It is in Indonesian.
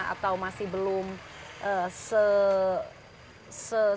atau masih belum se firm itu untuk kepentingan